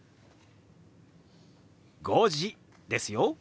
「５時」ですよ。